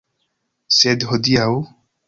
Sed hodiaŭ?